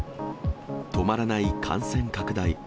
止まらない感染拡大。